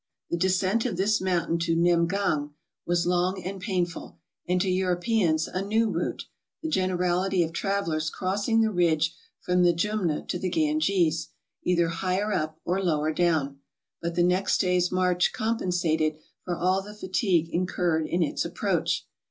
The descent of this mountain to Nemgang was long and painful, and to Europeans a new route, the generality of travellers crossing the ridge from the Jumna to the Granges, either higher up or lower do\fn ; but tlie next day's march compensated for all the fatigue incurred in its approach.